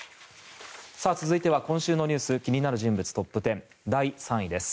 続いては今週の気になる人物トップ１０第３位です。